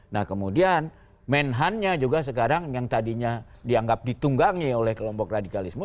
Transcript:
nah kemudian menhan nya juga sekarang yang tadinya dianggap ditunggangi oleh kelompok radikalisme